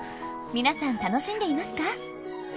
皆さん楽しんでいますか？